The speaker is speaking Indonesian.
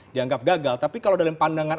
dianggap gagal tapi kalau dalam pandangan